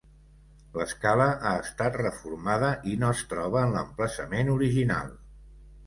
L'escala ha estat reformada i no es troba en l'emplaçament original.